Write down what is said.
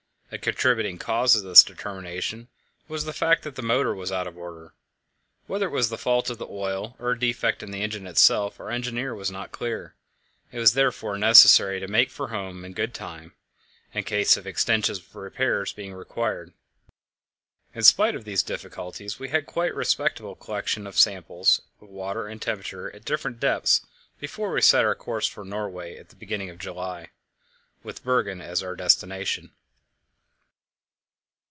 A contributing cause of this determination was the fact that the motor was out of order. Whether it was the fault of the oil or a defect in the engine itself our engineer was not clear. It was therefore necessary to make for home in good time, in case of extensive repairs being required. In spite of these difficulties, we had a quite respectable collection of samples of water and temperatures at different depths before we set our course for Norway at the beginning of July, with Bergen as our destination.